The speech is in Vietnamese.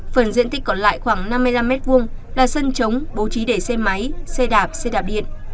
phần diện tích còn lại khoảng năm mươi năm m hai là sân trống bố trí để xe máy xe đạp xe đạp điện